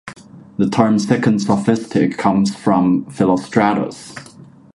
The term "Second Sophistic" comes from Philostratos.